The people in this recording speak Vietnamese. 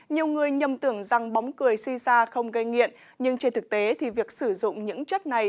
nhiều người nhầm tưởng rằng bóng cười si xa không gây nghiện nhưng trên thực tế thì việc sử dụng những chất này